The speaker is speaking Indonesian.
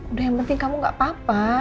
udah yang penting kamu gak apa apa